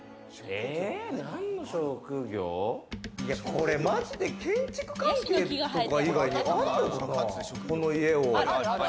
これマジで建築関係とか以外にあんのかな？